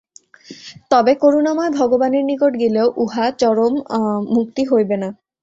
তবে করুণাময় ভগবানের নিকট গেলেও উহা চরম মুক্তি হইবে না।